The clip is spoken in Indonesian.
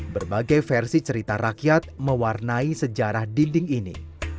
berbagai versi cerita rakyat mewarnai sejarah dinding ini